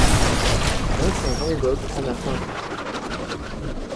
Vincent van Gogh en a peint.